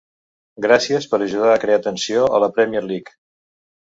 Gràcies per ajudar a crear tensió a la Premier League!